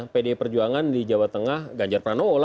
pdi perjuangan di jawa tengah ganjar pranowo